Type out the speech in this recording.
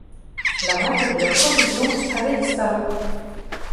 La moitié de leurs provisions avaient disparu.